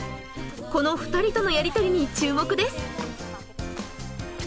この二人とのやりとりに注目です